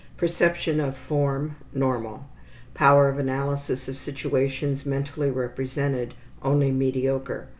Perception of form, normal. Power of analysis of situations mentally represented, only mediocre.